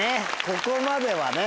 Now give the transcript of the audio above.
ここまではね。